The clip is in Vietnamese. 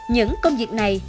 những công việc này